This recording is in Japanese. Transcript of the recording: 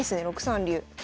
６三竜。